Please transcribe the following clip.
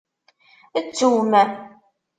Ttum!